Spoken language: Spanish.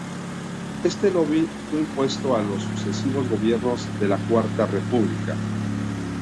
Este lobby fue impuesto a los sucesivos gobiernos de la Cuarta República.